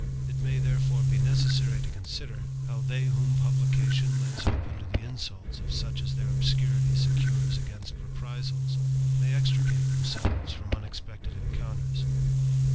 It may therefore be necessary to consider, how they whom publication lays open to the insults of such as their obscurity secures against reprisals, may extricate themselves firom unexpected encounters.